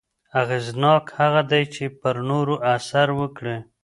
اغېزناک هغه دی چې پر نورو اثر وکړي.